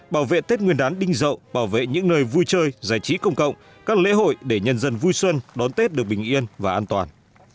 bảo vệ tết nguyên đán đinh dậu bảo vệ những nơi vui chơi giải trí công cộng các lễ hội để nhân dân vui xuân đón tết được bình yên và an toàn